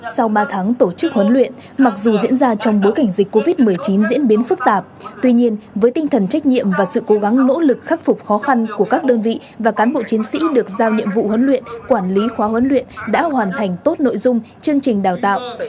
sau ba tháng tổ chức huấn luyện mặc dù diễn ra trong bối cảnh dịch covid một mươi chín diễn biến phức tạp tuy nhiên với tinh thần trách nhiệm và sự cố gắng nỗ lực khắc phục khó khăn của các đơn vị và cán bộ chiến sĩ được giao nhiệm vụ huấn luyện quản lý khóa huấn luyện đã hoàn thành tốt nội dung chương trình đào tạo